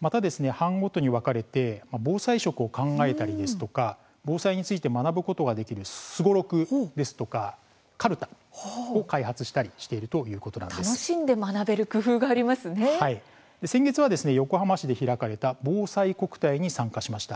また班ごとに分かれて防災食を考えたり防災について学ぶことができるすごろくですとか、かるたを開発したりしている楽しんで学べる工夫が先月は横浜市で開かれたぼうさいこくたいに参加しました。